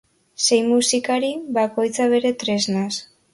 Sei musikari, bakoitza bere tresnaz.